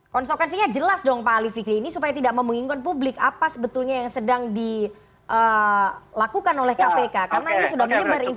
konsekuensinya jelas dong pak ali fikri ini supaya tidak membingungkan publik apa sebetulnya yang sedang dilakukan oleh kpk karena itu sudah menyebar informasi